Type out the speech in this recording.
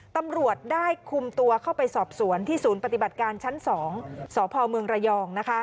ตำรวจได้คุมตัวเข้าไปสอบสวนที่ศูนย์ปฏิบัติการชั้น๒สพเมืองระยอง